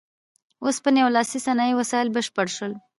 اوسپنې او لاسي صنایعو وسایل بشپړ شول.